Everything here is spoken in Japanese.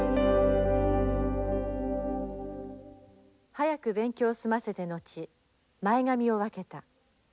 「早く勉強を済ませて後前髪を分けた。